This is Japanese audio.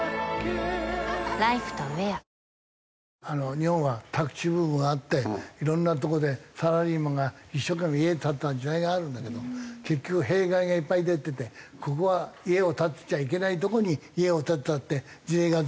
日本は宅地ブームがあっていろんなとこでサラリーマンが一生懸命家建てた時代があるんだけど結局弊害がいっぱい出ててここは家を建てちゃいけないとこに家を建てたって事例が全国にあって。